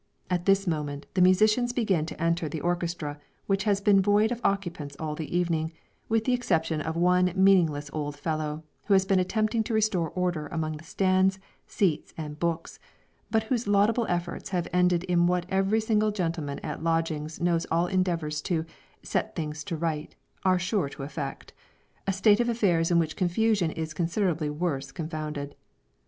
At this moment the musicians begin to enter the orchestra which has been void of occupants all the evening, with the exception of one meaningless old fellow, who has been attempting to restore order among the stands, seats, and books, but whose laudable efforts have ended in what every single gentleman at lodgings knows all endeavours to "set things to rights," are sure to effect a state of affairs in which confusion is considerably worse confounded.